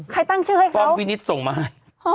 ใครตั้งชื่อให้เขาความวินิทส่งมาให้